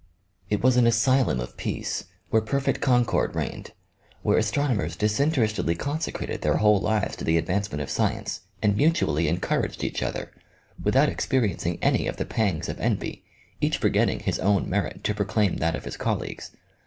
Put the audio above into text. It was an asylum of peace, where perfect concord reigned, where astronomers disinterestedly consecrated their whole lives to the advancement of science, and mu tually encouraged each other, without experiencing any of the pangs of envy, each forgetting his own merit to proclaim that of his colleagues.